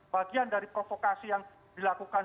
bagian dari provokasi yang dilakukan